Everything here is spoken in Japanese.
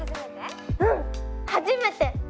うん初めて！